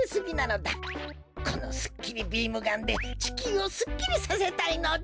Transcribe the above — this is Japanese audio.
このすっきりビームガンでちきゅうをすっきりさせたいのだ！